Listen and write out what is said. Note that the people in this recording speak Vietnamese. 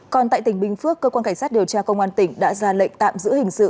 còn tại tỉnh bình phước cơ quan cảnh sát điều tra công an tỉnh đã ra lệnh tạm giữ hình sự